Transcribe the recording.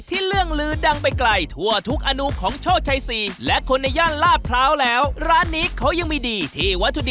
ปีนึงขายเฉพาะหน้ามะม่วง